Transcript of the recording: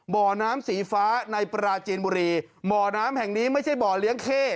บ่อน้ำสีฟ้าในปราจีนบุรีบ่อน้ำแห่งนี้ไม่ใช่บ่อเลี้ยงเข้